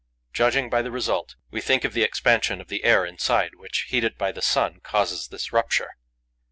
Judging by the result, we think of the expansion of the air inside, which, heated by the sun, causes this rupture.